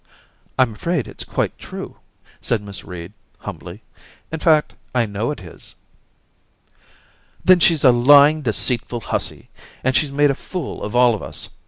* I'm afraid it's quite true,' said Miss Reed, humbly. * In fact I know it is.' *Then she's a lying, deceitful hussy, and she's made a fool of all of us.